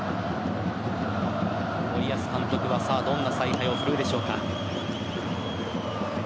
森保監督はどんな采配を振るうでしょうか。